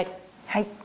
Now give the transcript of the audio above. はい。